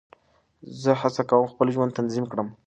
زه هڅه کوم خپل ژوند تنظیم کړم.